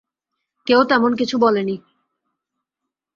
কেউ তেমন কিছু বলে নি।